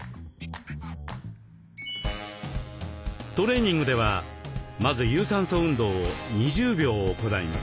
トレーニングではまず有酸素運動を２０秒行います。